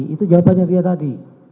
itu jawabannya dia tadi